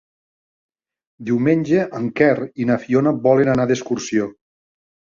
Diumenge en Quer i na Fiona volen anar d'excursió.